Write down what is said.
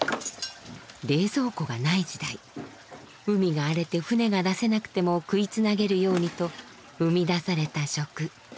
冷蔵庫がない時代海が荒れて船が出せなくても食いつなげるようにと生み出された食。